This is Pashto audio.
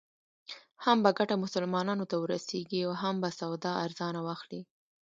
هم به ګټه مسلمانانو ته ورسېږي او هم به سودا ارزانه واخلې.